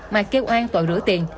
mà kêu an tội rửa tiền